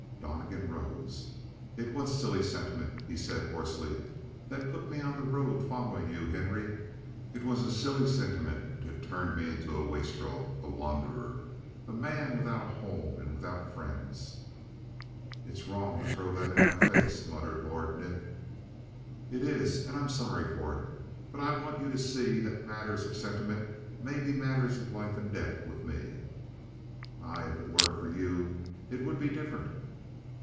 Donnegan rose. "It was a silly sentiment," he said hoarsely, "that put me on the road following you, Henry. It was a silly sentiment that turned me into a wastrel, a wanderer, a man without a home and without friends." "It's wrong to throw that in my face," muttered Lord Nick. "It is. And I'm sorry for it. But I want you to see that matters of sentiment may be matters of life and death with me." "Aye, if it were for you it would be different.